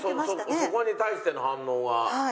そこに対しての反応が。